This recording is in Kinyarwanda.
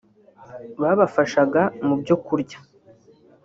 babafashaga mu byo kurya